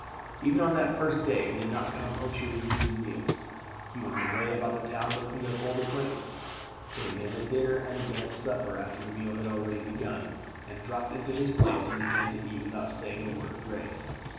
Even on that first day he did not come punctually to his meals. He was away about the town looking up old acquaintance, came in at dinner and again at supper after the meal had already begun, and dropped into his place and began to eat without saying a word of grace.